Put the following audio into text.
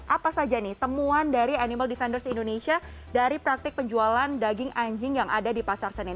apa saja nih temuan dari animal defenders indonesia dari praktik penjualan daging anjing yang ada di pasar senen